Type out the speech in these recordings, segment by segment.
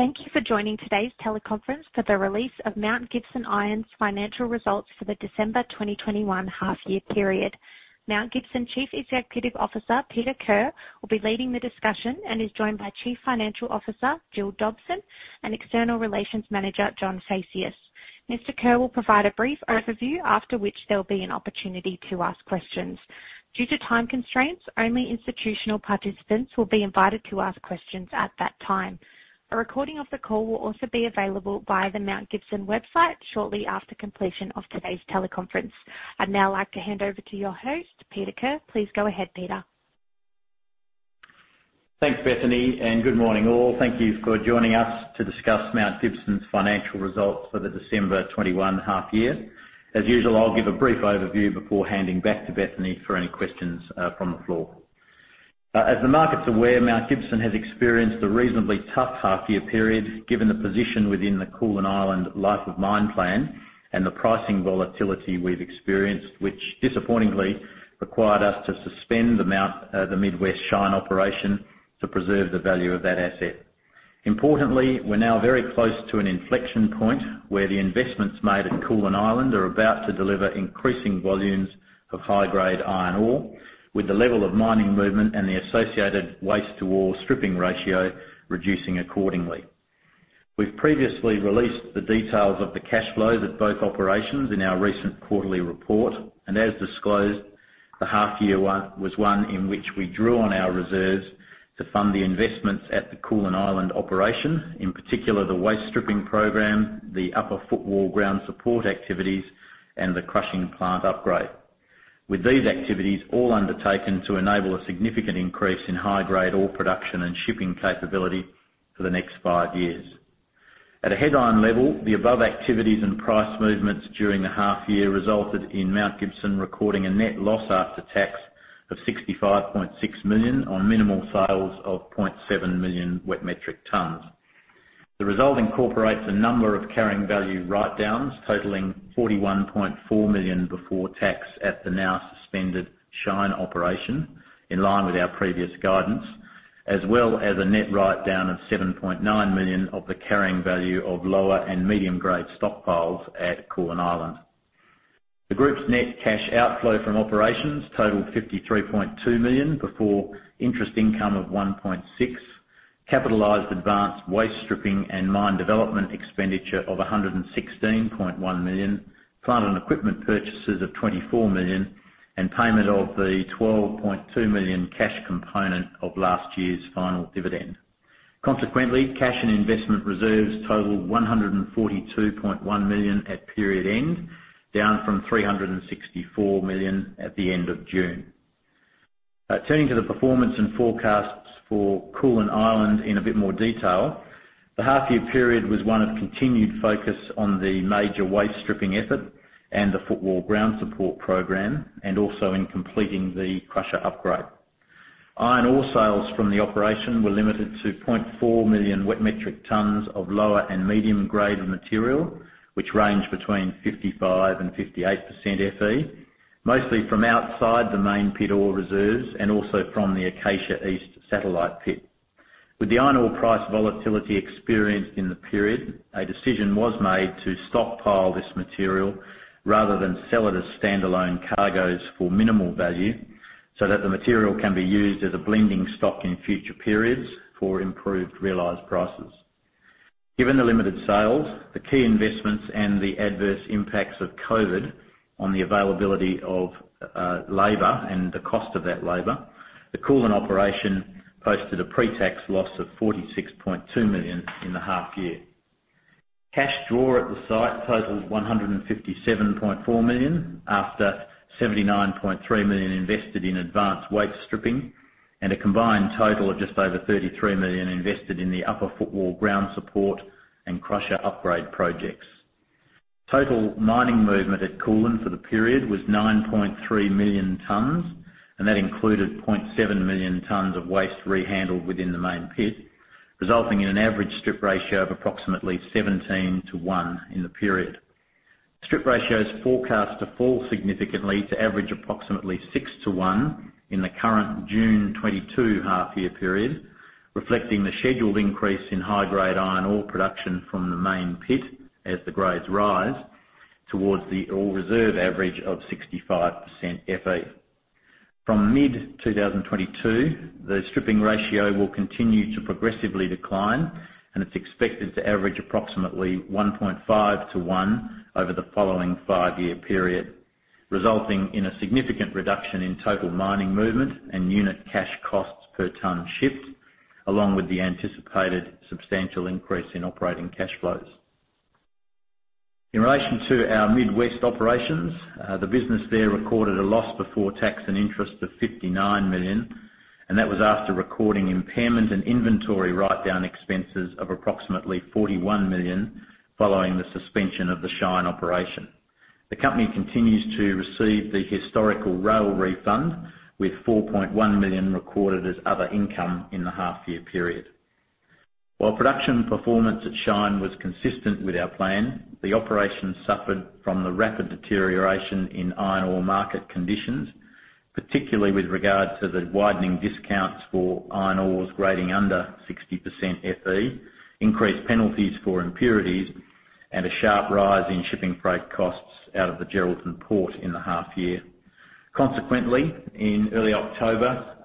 Thank you for joining today's teleconference for the release of Mount Gibson Iron's financial results for the December 2021 half year period. Mount Gibson Chief Executive Officer, Peter Kerr, will be leading the discussion and is joined by Chief Financial Officer, Giles Dobson, and External Relations Manager, John Phaceas. Mr. Kerr will provide a brief overview, after which there'll be an opportunity to ask questions. Due to time constraints, only institutional participants will be invited to ask questions at that time. A recording of the call will also be available via the Mount Gibson website shortly after completion of today's teleconference. I'd now like to hand over to your host, Peter Kerr. Please go ahead, Peter. Thanks, Bethany, and good morning, all. Thank you for joining us to discuss Mount Gibson's financial results for the December 2021 half year. As usual, I'll give a brief overview before handing back to Bethany for any questions from the floor. As the market's aware, Mount Gibson has experienced a reasonably tough half year period, given the position within the Koolan Island life of mine plan and the pricing volatility we've experienced, which disappointingly required us to suspend the Midwest Shine operation to preserve the value of that asset. Importantly, we're now very close to an inflection point where the investments made at Koolan Island are about to deliver increasing volumes of high-grade iron ore, with the level of mining movement and the associated waste to ore stripping ratio reducing accordingly. We've previously released the details of the cash flow at both operations in our recent quarterly report, and as disclosed, the half year one was one in which we drew on our reserves to fund the investments at the Koolan Island operation, in particular, the waste stripping program, the upper footwall ground support activities, and the crushing plant upgrade. With these activities all undertaken to enable a significant increase in high-grade ore production and shipping capability for the next five years. At a headline level, the above activities and price movements during the half year resulted in Mount Gibson recording a net loss after tax 65.6 million on minimal sales of 0.7 million wet metric tons. The result incorporates a number of carrying value write-downs totaling 41.4 million before tax at the now suspended Shine operation, in line with our previous guidance, as well as a net write-down of 7.9 million of the carrying value of lower and medium-grade stockpiles at Koolan Island. The group's net cash outflow from operations totaled 53.2 million before interest income of 1.6 million, capitalized advanced waste stripping and mine development expenditure of 116.1 million, plant and equipment purchases of 24 million, and payment of the 12.2 million cash component of last year's final dividend. Consequently, cash and investment reserves totaled 142.1 million at period end, down from 364 million at the end of June. Turning to the performance and forecasts for Koolan Island in a bit more detail, the half year period was one of continued focus on the major waste stripping effort and the footwall ground support program, and also in completing the crusher upgrade. Iron ore sales from the operation were limited to 0.4 million wet metric tons of lower and medium grade material, which range between 55%-58% Fe, mostly from outside the main pit ore reserves and also from the Acacia East satellite pit. With the iron ore price volatility experienced in the period, a decision was made to stockpile this material rather than sell it as standalone cargos for minimal value, so that the material can be used as a blending stock in future periods for improved realized prices. Given the limited sales, the key investments and the adverse impacts of COVID on the availability of labor and the cost of that labor, the Koolan operation posted a pre-tax loss of 46.2 million in the half year. Cash draw at the site totaled 157.4 million, after 79.3 million invested in advanced waste stripping and a combined total of just over 33 million invested in the upper footwall ground support and crusher upgrade projects. Total mining movement at Koolan for the period was 9.3 million tons, and that included 0.7 million tons of waste rehandled within the main pit, resulting in an average strip ratio of approximately 17 to one in the period. Strip ratios forecast to fall significantly to average approximately 6:1 in the current June 2022 half year period, reflecting the scheduled increase in high-grade iron ore production from the main pit as the grades rise towards the ore reserve average of 65% Fe. From mid-2022, the stripping ratio will continue to progressively decline, and it's expected to average approximately 1.5:1 over the following five-year period, resulting in a significant reduction in total mining movement and unit cash costs per ton shipped, along with the anticipated substantial increase in operating cash flows. In relation to our Midwest operations, the business there recorded a loss before tax and interest of 59 million, and that was after recording impairment and inventory write-down expenses of approximately 41 million following the suspension of the Shine operation. The company continues to receive the historical rail refund with 4.1 million recorded as other income in the half year period. While production performance at Shine was consistent with our plan, the operation suffered from the rapid deterioration in iron ore market conditions, particularly with regard to the widening discounts for iron ores grading under 60% FE, increased penalties for impurities. A sharp rise in shipping freight costs out of the Geraldton Port in the half year. Consequently, in early October,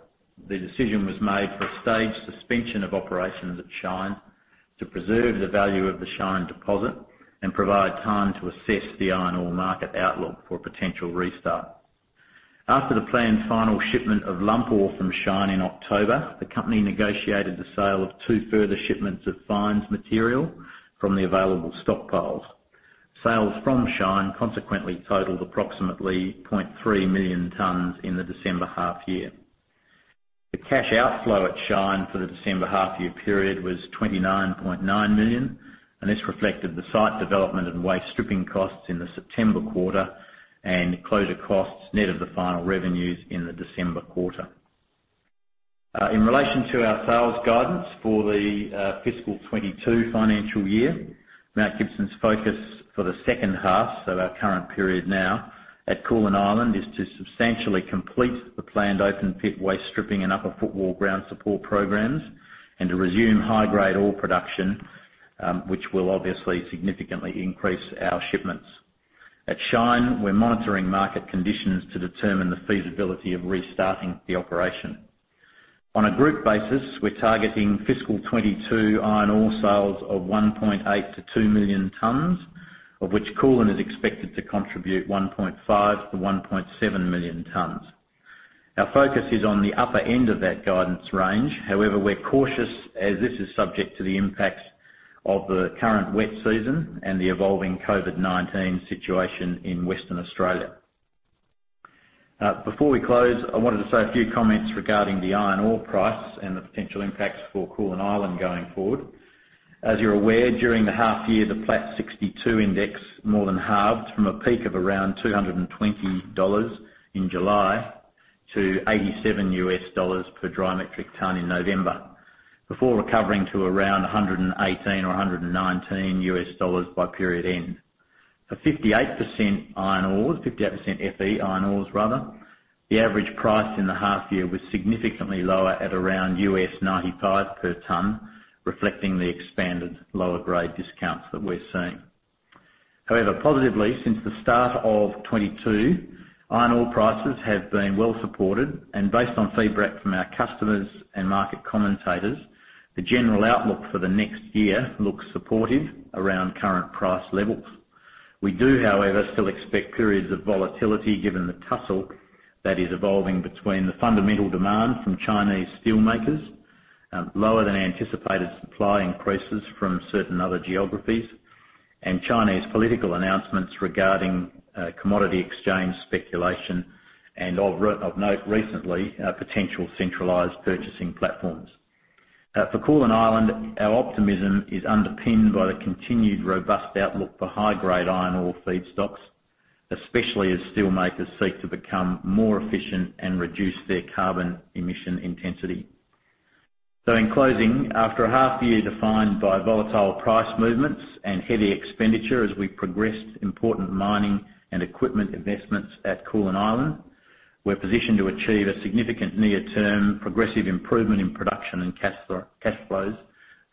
the decision was made for a staged suspension of operations at Shine to preserve the value of the Shine deposit and provide time to assess the iron ore market outlook for a potential restart. After the planned final shipment of lump ore from Shine in October, the company negotiated the sale of two further shipments of fines material from the available stockpiles. Sales from Shine consequently totaled approximately 0.3 million tons in the December half year. The cash outflow at Shine for the December half year period was 29.9 million, and this reflected the site development and waste stripping costs in the September quarter and closure costs net of the final revenues in the December quarter. In relation to our sales guidance for the fiscal 2022 financial year, Mount Gibson Iron's focus for the second half, so our current period now, at Koolan Island is to substantially complete the planned open pit waste stripping and upper footwall ground support programs and to resume high-grade ore production, which will obviously significantly increase our shipments. At Shine, we're monitoring market conditions to determine the feasibility of restarting the operation. On a group basis, we're targeting FY 2022 iron ore sales of 1.8-2 million tons, of which Koolan is expected to contribute 1.5-1.7 million tons. Our focus is on the upper end of that guidance range. However, we're cautious as this is subject to the impacts of the current wet season and the evolving COVID-19 situation in Western Australia. Before we close, I wanted to say a few comments regarding the iron ore price and the potential impacts for Koolan Island going forward. As you're aware, during the half year, the Platts 62 index more than halved from a peak of around $220 in July to $87 per dry metric ton in November, before recovering to around $118 or $119 by period end. For 58% iron ores, 58% FE iron ores rather, the average price in the half year was significantly lower at around $95 per ton, reflecting the expanded lower grade discounts that we're seeing. However, positively, since the start of 2022, iron ore prices have been well supported, and based on feedback from our customers and market commentators, the general outlook for the next year looks supportive around current price levels. We do, however, still expect periods of volatility given the tussle that is evolving between the fundamental demand from Chinese steel makers, lower than anticipated supply increases from certain other geographies, and Chinese political announcements regarding commodity exchange speculation and of note recently potential centralized purchasing platforms. For Koolan Island, our optimism is underpinned by the continued robust outlook for high-grade iron ore feedstocks, especially as steel makers seek to become more efficient and reduce their carbon emission intensity. In closing, after a half year defined by volatile price movements and heavy expenditure as we progressed important mining and equipment investments at Koolan Island, we're positioned to achieve a significant near-term progressive improvement in production and cash flows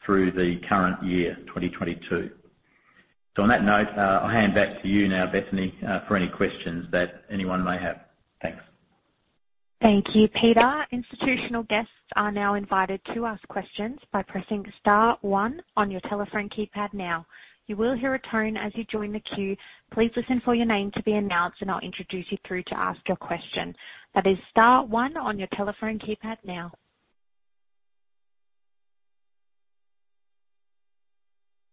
through the current year, 2022. On that note, I'll hand back to you now, Bethany, for any questions that anyone may have. Thanks. Thank you, Peter. Institutional guests are now invited to ask questions by pressing star one on your telephone keypad now. You will hear a tone as you join the queue. Please listen for your name to be announced, and I'll introduce you through to ask your question. That is star one on your telephone keypad now.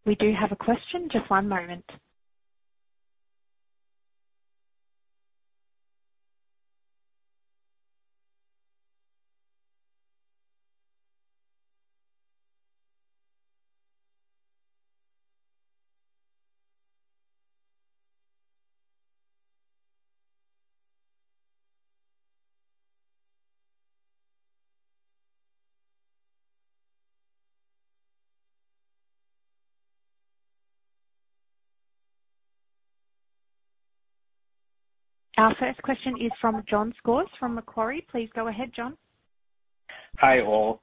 We do have a question. Just one moment. Our first question is from Jon Scholtz from Macquarie. Please go ahead, John. Hi, all.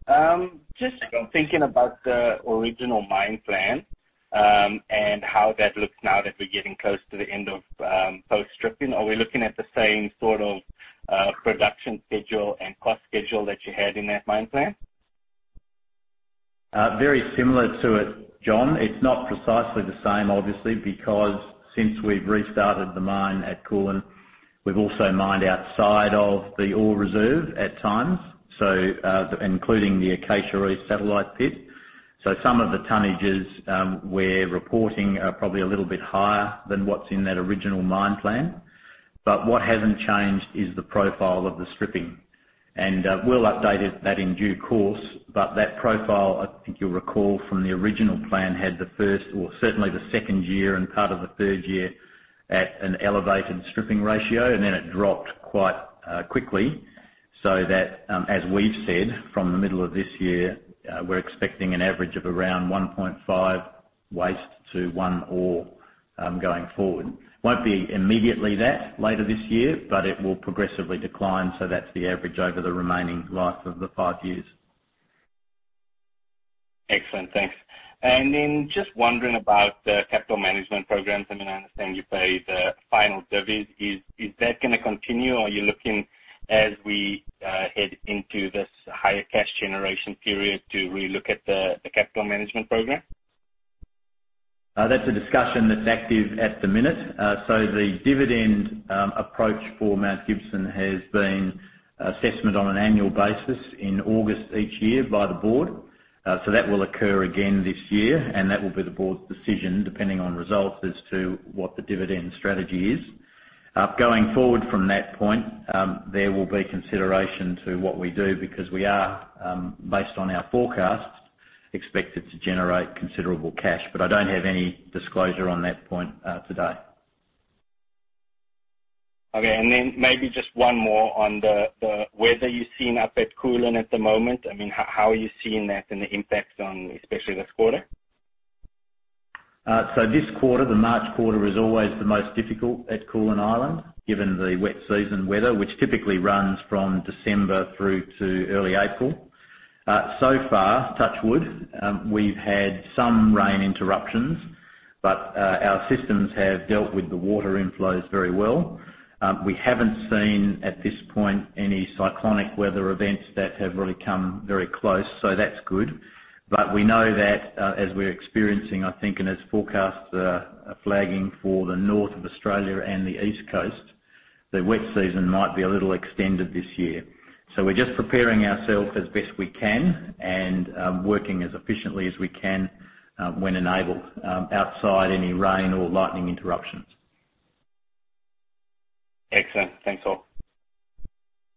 Just thinking about the original mine plan, and how that looks now that we're getting close to the end of post-stripping. Are we looking at the same sort of production schedule and cost schedule that you had in that mine plan? Very similar to it, John. It's not precisely the same, obviously, because since we've restarted the mine at Koolan, we've also mined outside of the ore reserve at times, so, including the Acacia East satellite pit. Some of the tonnages we're reporting are probably a little bit higher than what's in that original mine plan. What hasn't changed is the profile of the stripping. We'll update that in due course, but that profile, I think you'll recall from the original plan, had the first or certainly the second year and part of the third year at an elevated stripping ratio, and then it dropped quite quickly. That, as we've said, from the middle of this year, we're expecting an average of around 1.5 waste to one ore, going forward. Won't be immediately, but later this year, but it will progressively decline, so that's the average over the remaining life of the five years. Excellent. Thanks. Then just wondering about the capital management programs. I mean, I understand you pay the final dividend. Is that gonna continue, or are you looking as we head into this higher cash generation period to relook at the capital management program? That's a discussion that's active at the minute. The dividend approach for Mount Gibson has been assessed on an annual basis in August each year by the board. That will occur again this year, and that will be the board's decision depending on results as to what the dividend strategy is. Going forward from that point, there will be consideration to what we do because we are, based on our forecasts, expected to generate considerable cash. I don't have any disclosure on that point, today. Okay. Then maybe just one more on the weather you're seeing up at Koolan at the moment. I mean, how are you seeing that and the impacts on especially this quarter? This quarter, the March quarter, is always the most difficult at Koolan Island, given the wet season weather, which typically runs from December through to early April. So far, touch wood, we've had some rain interruptions, but our systems have dealt with the water inflows very well. We haven't seen at this point any cyclonic weather events that have really come very close, so that's good. We know that, as we're experiencing, I think and as forecasts are flagging for the north of Australia and the East Coast, the wet season might be a little extended this year. We're just preparing ourselves as best we can and working as efficiently as we can, when enabled, outside any rain or lightning interruptions. Excellent. Thanks, all.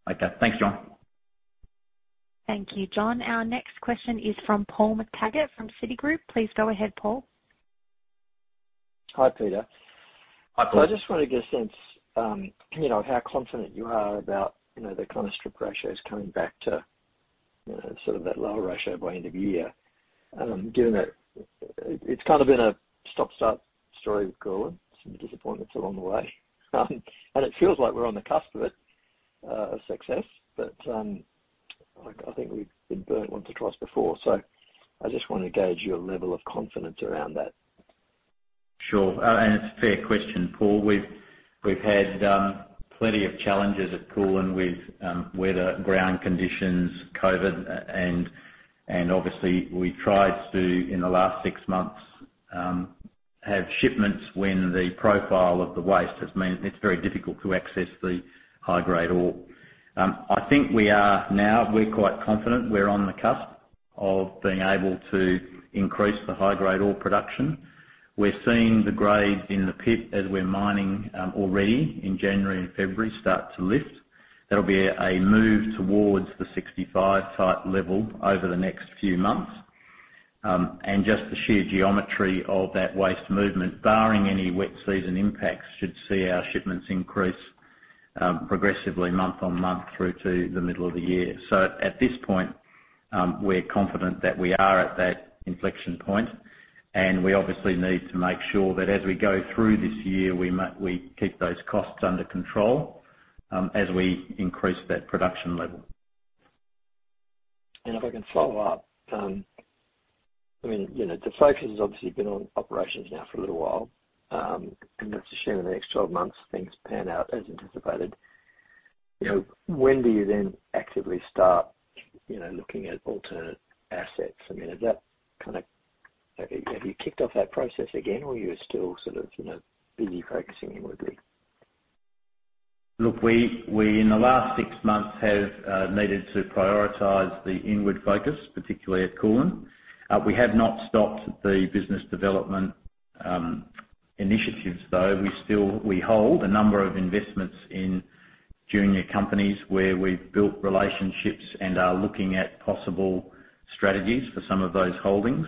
Okay. Thanks, John. Thank you, John. Our next question is from Paul McTaggart from Citigroup. Please go ahead, Paul. Hi, Peter. Hi, Paul. I just wanna get a sense, you know, how confident you are about, you know, the kind of strip ratios coming back to, you know, sort of that lower ratio by end of year, given that it's kind of been a stop-start story with Koolan, some disappointments along the way. It feels like we're on the cusp of it, a success. Like, I think we've been burnt once or twice before. I just wanna gauge your level of confidence around that. Sure. It's a fair question, Paul. We've had plenty of challenges at Koolan with weather, ground conditions, COVID. Obviously we tried to, in the last six months, have shipments when the profile of the waste has meant it's very difficult to access the high-grade ore. I think we're quite confident we're on the cusp of being able to increase the high-grade ore production. We're seeing the grades in the pit as we're mining already in January and February start to lift. There'll be a move towards the 65% Fe level over the next few months. Just the sheer geometry of that waste movement, barring any wet season impacts, should see our shipments increase progressively month-on-month through to the middle of the year. At this point, we're confident that we are at that inflection point, and we obviously need to make sure that as we go through this year, we keep those costs under control, as we increase that production level. If I can follow up, I mean, you know, the focus has obviously been on operations now for a little while. Let's assume in the next 12 months things pan out as anticipated. You know, when do you then actively start, you know, looking at alternate assets? I mean, is that kinda have you kicked off that process again, or you're still sort of, you know, busy focusing inwardly? Look, we in the last six months have needed to prioritize the inward focus, particularly at Koolan. We have not stopped the business development initiatives though. We still hold a number of investments in junior companies where we've built relationships and are looking at possible strategies for some of those holdings.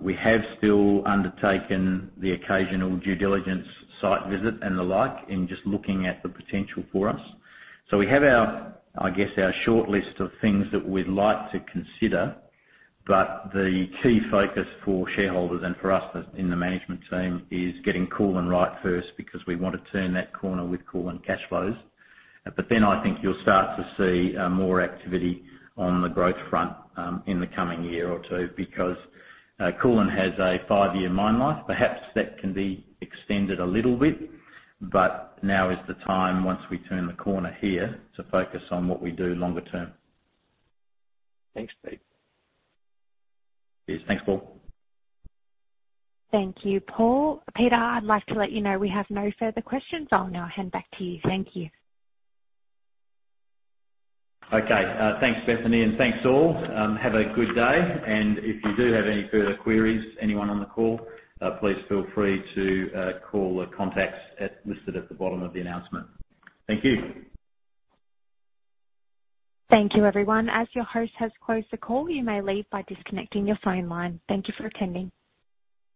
We have still undertaken the occasional due diligence site visit and the like in just looking at the potential for us. We have our short list of things that we'd like to consider, but the key focus for shareholders and for us as in the management team is getting Koolan right first because we want to turn that corner with Koolan cash flows. I think you'll start to see more activity on the growth front in the coming year or two because Koolan has a five-year mine life. Perhaps that can be extended a little bit. Now is the time once we turn the corner here to focus on what we do longer term. Thanks, Pete. Cheers. Thanks, Paul. Thank you, Paul. Peter, I'd like to let you know we have no further questions. I'll now hand back to you. Thank you. Okay. Thanks Bethany, and thanks all. Have a good day. If you do have any further queries, anyone on the call, please feel free to call the contacts listed at the bottom of the announcement. Thank you. Thank you, everyone. As your host has closed the call, you may leave by disconnecting your phone line. Thank you for attending.